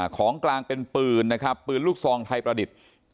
ของกลางเป็นปืนนะครับปืนลูกซองไทยประดิษฐ์